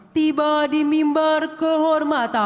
tuhan ku berkata